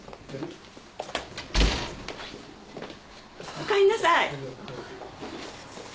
おかえんなさい。